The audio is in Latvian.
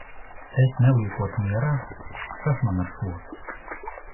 Es neliekot mierā? Kas man ar šo!